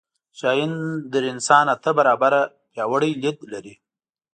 شاهین تر انسان اته برابره پیاوړی لید لري